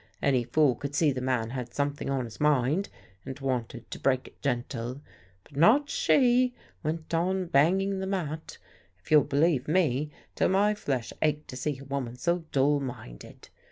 Any fool could see the man had something on his mind and wanted to break it gentle. But not she! Went on banging the mat, if you'll believe me, till my flesh ached to see a woman so dull minded.